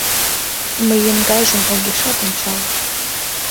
Мыйын гайжым огешат ончал».